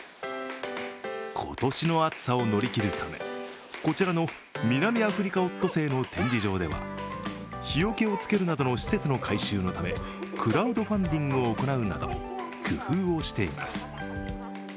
今年の暑さを乗り切るため、こちらの南アフリカオットセイの展示場では日よけをつけるなどの施設の改修のためクラウドファンディングを行うなど、工夫をしています。